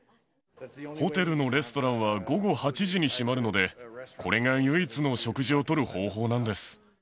ホテルのレストランは午後８時に閉まるので、これが唯一の食事をとる方法なんです。